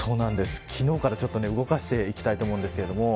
昨日から動かしていきたいと思います。